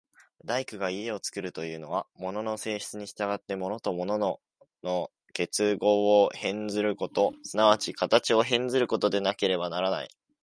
大工が家を造るというのは、物の性質に従って物と物との結合を変ずること、即ち形を変ずることでなければならない。